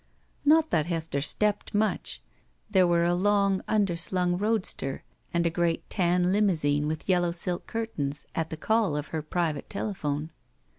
Not that Hester stepped much. There were a long underslung roadster and a great tan limousine with yellow silk curtains at the call of her private telephone.